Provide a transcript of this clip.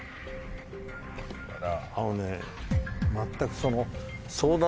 あのね全く。